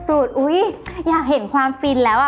อุ๊ยอยากเห็นความฟินแล้ว